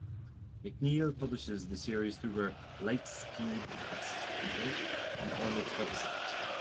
McNeil publishes the series through her "Lightspeed Press" imprint and on its website.